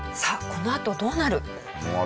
このあとどうなる？